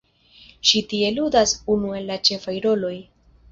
Ŝi tie ludas unu el la ĉefaj roloj.